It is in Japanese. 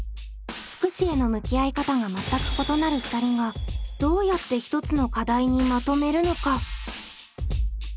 福祉への向き合い方が全く異なる２人がどうやって１つの課題にまとめるのか？